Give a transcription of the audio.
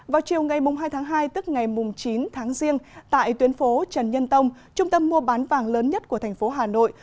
vào chiều ngày hai tháng hai tức ngày chín tháng riêng tại tuyến phố trần nhân tông trung tâm mua bán vàng lớn nhất của thành phố hà nội